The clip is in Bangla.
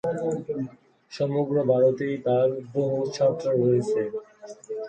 সমগ্র ভারতেই তার বহু ছাত্র রয়েছে।